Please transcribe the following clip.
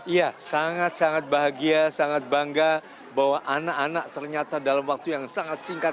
iya sangat sangat bahagia sangat bangga bahwa anak anak ternyata dalam waktu yang sangat singkat